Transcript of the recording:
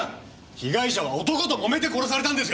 被害者は男と揉めて殺されたんですよ。